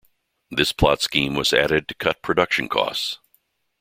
This plot scheme was added to cut production costs.